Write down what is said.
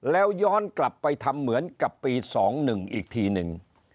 แล้วย้อนกลับไปทำเหมือนกับปี๒๑อีกทีหนึ่ง